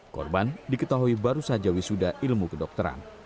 korban diketahui baru saja wisuda ilmu kedokteran